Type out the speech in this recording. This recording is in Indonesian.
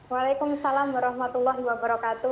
waalaikumsalam warahmatullahi wabarakatuh